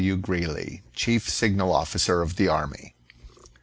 W. Greely, Chief Signal Officer of the Army.